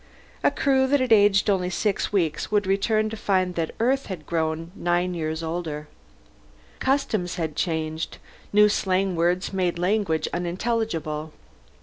A crew that had aged only six weeks would return to find that Earth had grown nine years older. Customs had changed; new slang words made language unintelligible.